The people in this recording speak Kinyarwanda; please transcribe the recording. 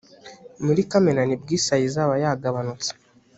muri kamena nibwo isayo izaba yagabanutse